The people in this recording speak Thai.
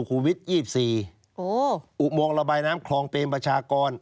อุปโมงระบายน้ำครองเป็นประชากร